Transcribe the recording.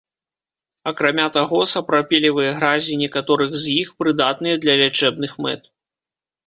Акрамя таго, сапрапелевыя гразі некаторых з іх прыдатныя для лячэбных мэт.